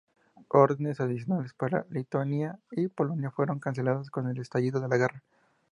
Órdenes adicionales para Lituania y Polonia fueron canceladas con el estallido de la guerra.